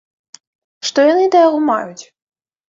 Што яны да яго маюць?